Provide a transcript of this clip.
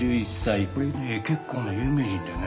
これね結構な有名人だよね。